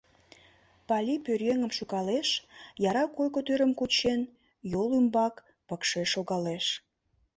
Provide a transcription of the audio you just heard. Пали пӧръеҥым шӱкалеш, яра койко тӱрым кучен, йол ӱмбак пыкше шогалеш.